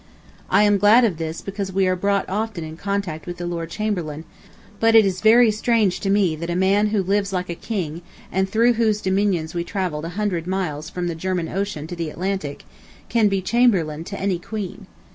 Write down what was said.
I am glad of this because we are brought often in contact with the Lord Chamberlain, but it is very strange to me that a man who lives like a king, and through whose dominions we travelled a hundred miles from the German Ocean to the Atlantic, can be Chamberlain to any Queen.